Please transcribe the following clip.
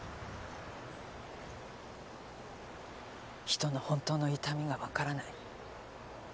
人の本当の痛みがわからない。